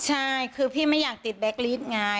ใช่คือพี่ไม่อยากติดแบ็คลิสต์ไง